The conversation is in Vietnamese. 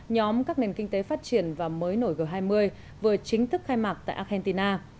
nhóm các nền kinh tế phát triển và mới nổi g hai mươi vừa chính thức khai mạc tại argentina